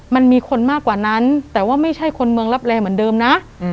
มันมีคนมากกว่านั้นแต่ว่าไม่ใช่คนเมืองรับแร่เหมือนเดิมนะ